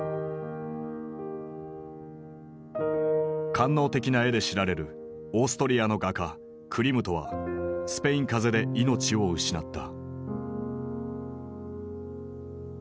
官能的な絵で知られるオーストリアの画家クリムトはスペイン風邪で命を失った。